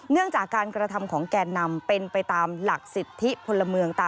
เนื่องจากการกระทำของแก่นำเป็นไปตามหลักสิทธิพลเมือง